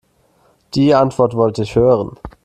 Die Antwort wollte ich hören.